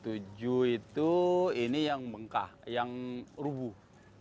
tahun dua ribu tujuh itu ini yang mengkah yang rubuh